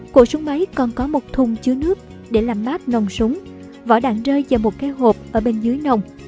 cổ súng máy còn có một thùng chứa nước để làm mát nồng súng vỏ đạn rơi vào một cái hộp ở bên dưới nồng